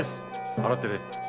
払ってやれ。